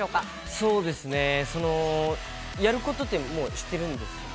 そうですね、やることって、もう知ってるんですか？